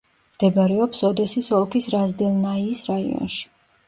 მდებარეობს ოდესის ოლქის რაზდელნაიის რაიონში.